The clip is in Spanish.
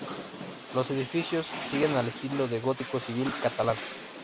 Los edificios siguen el estilo del gótico civil catalán.